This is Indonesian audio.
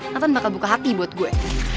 nonton bakal buka hati buat gue